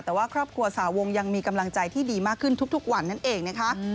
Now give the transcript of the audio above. แต่ว่าครอบครัวสาวงยังมีกำลังใจที่ดีมากขึ้นทุกวันนั่นเองนะคะ